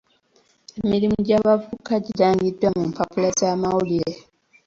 Emirimu gy'abavubuka girangiddwa mu mpapula z'amawulire.